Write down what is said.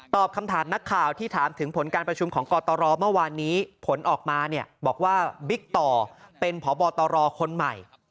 ตอบคำถามนักข่าวที่ถามถึงผลการประชุมของป่ะตตรมาวานีผลออกมาเบิกตอร์เป็นพบตรคนใหม่